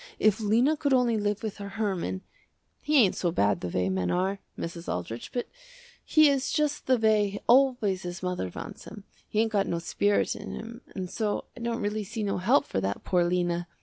If Lena could only live with her Herman, he ain't so bad the way men are, Mrs. Aldrich, but he is just the way always his mother wants him, he ain't got no spirit in him, and so I don't really see no help for that poor Lena.